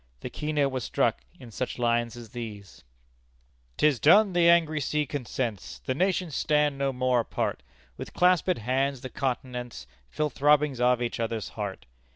The key note was struck in such lines as these: 'Tis done! the angry sea consents, The nations stand no more apart, With claspèd hands the continents Feel throbbings of each other's heart.